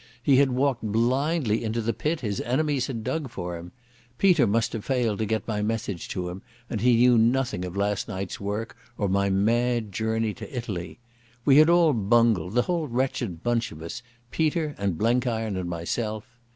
He had walked blindly into the pit his enemies had dug for him. Peter must have failed to get my message to him, and he knew nothing of last night's work or my mad journey to Italy. We had all bungled, the whole wretched bunch of us, Peter and Blenkiron and myself....